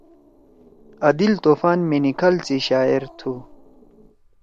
عادل طوفان مینیکھال سی شاعر تُھو۔